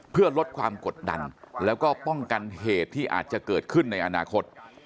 เพื่อลดความกดดันแล้วก็ป้องกันเหตุที่อาจจะเกิดขึ้นในอนาคต